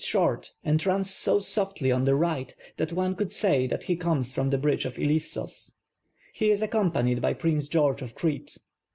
43 short and runs so softly on the right, that one could say that he comes from the bridge of Ilissos. He is accompanied by Prince George of Crete.